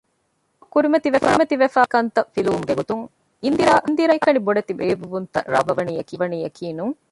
ޤައުމަށް ކުރިމަތިވެފައިވާ ދަތިކަންތައް ފިލުއްވުމުގެ ގޮތުން އިންދިރާ ހަމައެކަނި ބޮޑެތި ރޭއްވެވުންތައް ރާއްވަވަނީއަކީ ނޫން